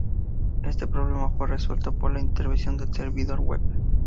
Este problema fue resuelto por la invención del servidor web.